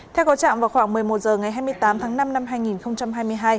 theo có trạm vào khoảng một mươi một h ngày hai mươi tám tháng năm năm hai nghìn hai mươi hai